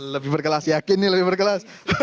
lebih berkelas yakin nih lebih berkelas